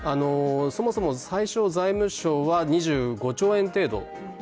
そもそも最初、財務省は２５兆円程度。